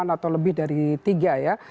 atau lebih dari tiga ya